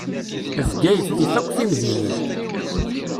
Bgayet tif akk timdinin.